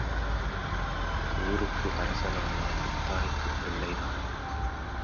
ஊருக்கு அரசன் ஆனாலும் தாய்க்குப் பிள்ளைதான்.